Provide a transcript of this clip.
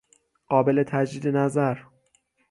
قابل تجدید نظر